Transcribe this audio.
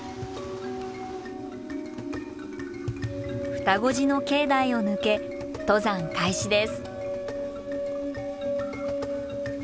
両子寺の境内を抜け登山開始です。